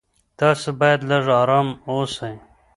تاسو باید لږ ارام اوسئ.